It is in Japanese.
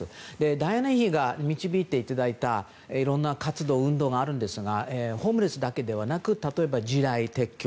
ダイアナ妃が導いていただいた活動や運動があるんですがそれはホームレスだけではなく例えば地雷撤去